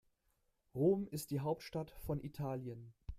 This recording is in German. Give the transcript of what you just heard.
Rom ist die Hauptstadt von Italien.